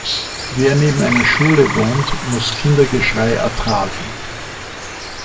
Wer neben einer Schule wohnt, muss Kindergeschrei ertragen.